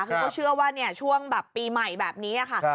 เขาก็เชื่อว่าเนี่ยช่วงปีใหม่แบบนี้อะค่ะ